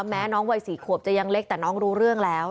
แม้น้องวัย๔ขวบจะยังเล็กแต่น้องรู้เรื่องแล้ว